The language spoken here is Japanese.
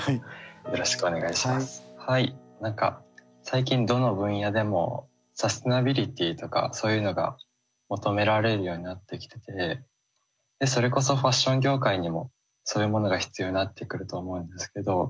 何か最近どの分野でもサステナビリティとかそういうのが求められるようになってきててそれこそファッション業界にもそういうものが必要になってくると思うんですけど